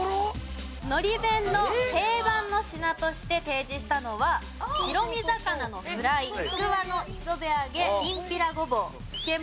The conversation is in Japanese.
のり弁の定番の品として提示したのは白身魚のフライちくわの磯辺揚げきんぴらごぼう漬け物。